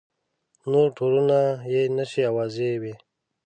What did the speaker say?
نور تورونه یې تشې اوازې وې.